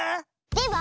では